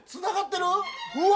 うわ！